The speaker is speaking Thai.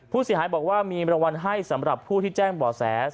ผู้เสียหายบอกว่ามีรางวัลให้สำหรับผู้ที่แจ้งบ่อแส